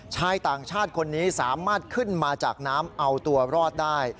ชายต่างชาติคนนี้สามารถขึ้นมาจากน้ำเอาตัวรอดได้